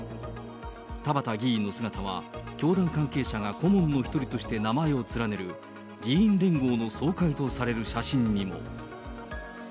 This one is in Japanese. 田畑議員の姿は教団関係者が顧問の一人として名前を連ねる、議員連合の総会とされる写真にも。